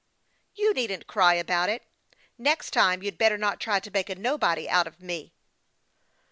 " You needn't cry about it. Next time, you'd better not try to make a nobody out of me."